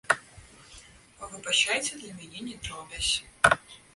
Выбачайце, для мяне не дробязь.